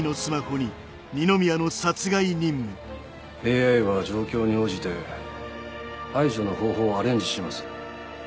ＡＩは状況に応じて排除の方法をアレンジします。